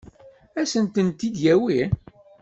Ad sent-tent-id-yawi?